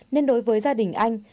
nên đối với gia đình anh